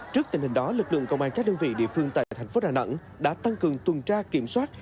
trước tình hình đó lực lượng công an các đơn vị địa phương tại thành phố đà nẵng đã tăng cường tuần tra kiểm soát